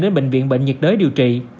đến bệnh viện bệnh nhiệt đới điều trị